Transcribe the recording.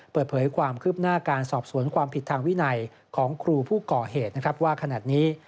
เปิดเผยความคืบหน้าการสอบสวนความผิดทางวินัยของครูผู้ก่อเหตุนะครับว่าขณะนี้